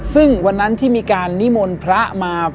ซึ่งวันนั้นที่มีการนิมนต์พระมา